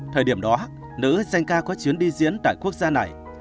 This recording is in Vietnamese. thời điểm đó nữ danh ca có chuyến đi diễn tại quốc gia này